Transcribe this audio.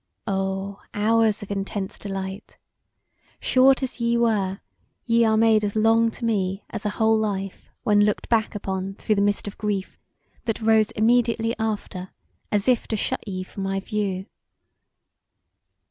O, hours of intense delight! Short as ye were ye are made as long to me as a whole life when looked back upon through the mist of grief that rose immediately after as if to shut ye from my view.